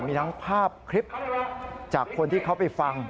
มีทั้งภาพคลิปจากคนที่เขาไปฟัง